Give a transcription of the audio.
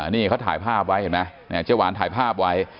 นี่เขาถ่ายภาพไว้เห็นไหมเจ๊หวานถ่ายภาพไว้